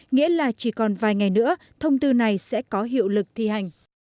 nghĩa là chỉ còn vài ngày nữa thông tư này sẽ có hiệu lực thi hành